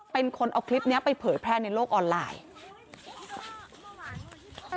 เป็นคนเอาคลิปนี้ไปเผยแพร่ในโลกออนไลน์